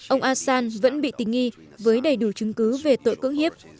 ông assan vẫn bị tình nghi với đầy đủ chứng cứ về tội cưỡng hiếp